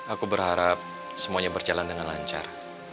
aku berharap semuanya berjalan dengan lancar